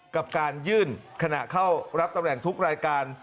กับการยื่นขณะเข้ารับตำแหน่งทุกรายการ